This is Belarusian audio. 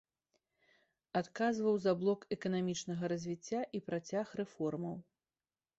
Адказваў за блок эканамічнага развіцця і працяг рэформаў.